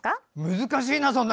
難しいな！